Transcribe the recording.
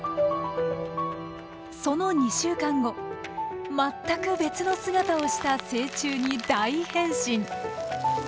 その２週間後全く別の姿をした成虫に大変身。